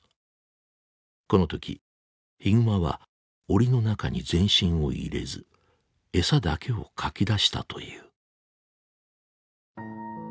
この時ヒグマはオリの中に全身を入れず餌だけをかき出したという。